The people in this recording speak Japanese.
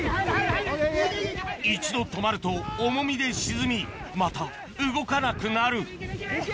一度止まると重みで沈みまた動かなくなるいけ！